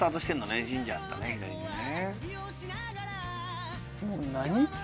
神社あったね左にね。